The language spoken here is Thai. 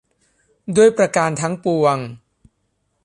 ด้วยประการทั้งปวง